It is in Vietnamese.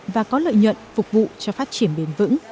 và có lợi nhuận phục vụ cho phát triển bền vững